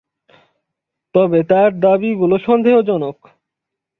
তবে তাঁর দাবি গুলো সন্দেহজনক।